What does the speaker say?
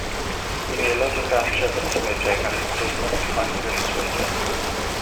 Bu'n aelod o Gartref y Swedeg a Chymdeithas Cyhoeddwyr Sweden.